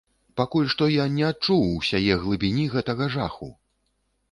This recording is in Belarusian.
Пакуль што я не адчуў усяе глыбіні гэтага жаху!